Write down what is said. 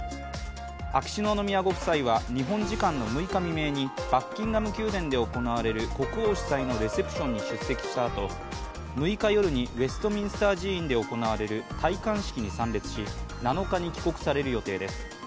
秋篠宮ご夫妻は日本時間の６日未明にバッキンガム宮殿で行われる国王主催のレセプションに出席したあと６日夜にウェストミンスター寺院で行われる戴冠式に参列し７日に帰国される予定です。